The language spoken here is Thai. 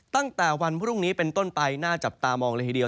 ตั้งแต่วันพรุ่งนี้เป็นต้นไปน่าจับตามองเลยทีเดียว